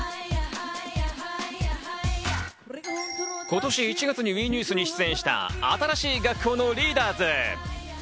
今年１月にＷＥニュースに出演した、新しい学校のリーダーズ。